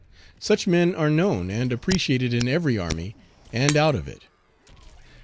Such men are known and appreciated in every army and out of it.